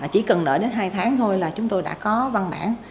chỉ cần đợi đến hai tháng thôi là chúng tôi đã có văn bản